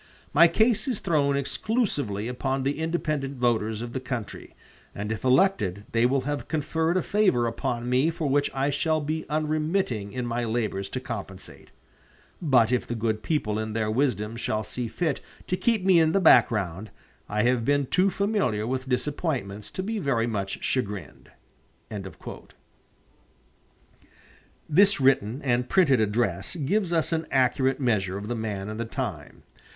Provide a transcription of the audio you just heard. My case is thrown exclusively upon the independent voters of the country, and if elected they will have conferred a favor upon me for which I shall be unremitting in my labors to compensate. But if the good people in their wisdom shall see fit to keep me in the background, I have been too familiar with disappointments to be very much chagrined." This written and printed address gives us an accurate measure of the man and the time.